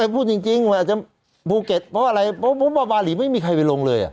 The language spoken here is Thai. พูดจริงมาเมื่อบาทฟูเกตพวัรีทุ่มไม่มีใครไปลงเลย